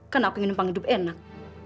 kan aku ingin numpang hidup enak